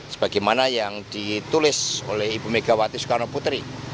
sebagaimana yang ditulis oleh ibu megawati soekarno putri